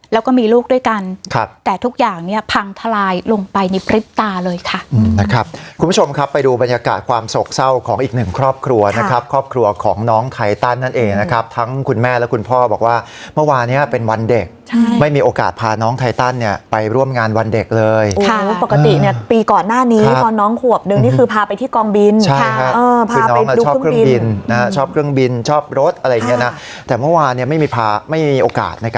แล้วก็มีลูกด้วยกันครับแต่ทุกอย่างเนี้ยพังทลายลงไปในปริปตาเลยค่ะอืมนะครับคุณผู้ชมครับไปดูบรรยากาศความสกเศร้าของอีกหนึ่งครอบครัวนะครับครอบครัวของน้องไทตันนั่นเองนะครับทั้งคุณแม่และคุณพ่อบอกว่าเมื่อวานี้เป็นวันเด็กใช่ไม่มีโอกาสพาน้องไทตันเนี้ยไปร่วมงานวันเด็กเลยค่ะปกติเนี้ยปี